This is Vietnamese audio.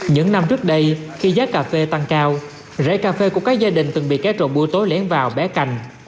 những năm trước đây khi giá cà phê tăng cao rễ cà phê của các gia đình từng bị kẻ trộm bua tối lén vào bé cành